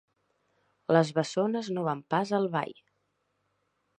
Les bessones no van pas al ball.